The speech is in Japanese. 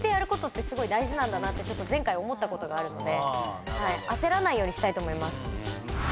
前回思ったことがあるんで焦らないようにしたいと思います。